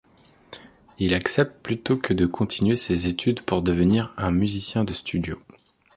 Il accepte plutôt que de continuer ses études pour devenir un musicien de studio.